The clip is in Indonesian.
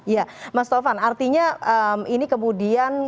ya mas taufan artinya ini kemudian